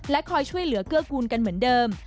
คอยช่วยเหลือเกื้อกูลกันเหมือนเดิม